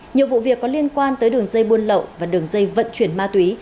nhiều vụ việc có liên quan tới đường dây buôn lậu và đường dây vận chuyển ma túy